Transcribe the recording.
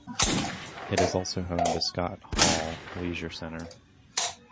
It is also home to Scott Hall Leisure Centre.